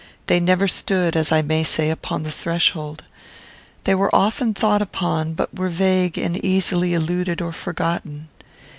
They never stood, as I may say, upon the threshold. They were often thought upon, but were vague and easily eluded or forgotten.